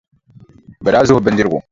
Bɛ daa zuhi o bindirigu.